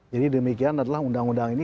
jadi demikian adalah undang undang ini